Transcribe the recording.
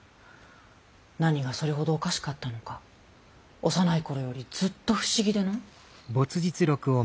何がそれほどおかしかったのか幼い頃よりずっと不思議での。